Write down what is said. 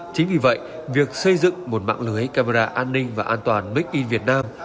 chính vì vậy việc xây dựng một mạng lưới camera an ninh và an toàn make in việt nam